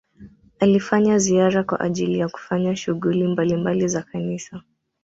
alifanya ziara kwa ajili ya kufanya shughuli mbalimbali za kanisa